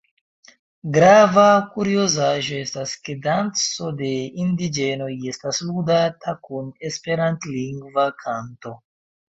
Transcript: Grava kuriozaĵo estas ke danco de indiĝenoj estas ludata kun esperantlingva kanto.